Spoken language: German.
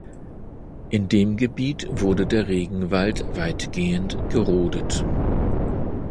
In dem Gebiet wurde der Regenwald weitgehend gerodet.